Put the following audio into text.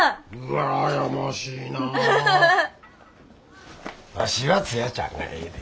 わしはツヤちゃんがええで。